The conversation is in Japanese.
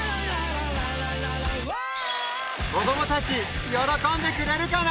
子どもたち喜んでくれるかな？